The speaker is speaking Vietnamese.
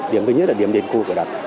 điểm thứ nhất là điểm đền khu cửa đặt